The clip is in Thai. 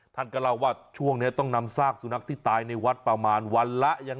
ท่านก็เล่าว่าช่วงนี้ต้องนำซากสุนัขที่ตายในวัดประมาณวันละยัง